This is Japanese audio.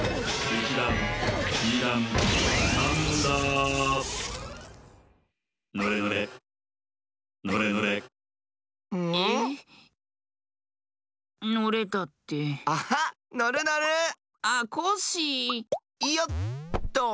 いよっと。